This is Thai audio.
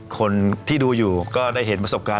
คนที่ดูอยู่ก็ได้เห็นประสบการณ์